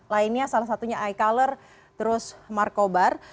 lainnya salah satunya icolor terus markobar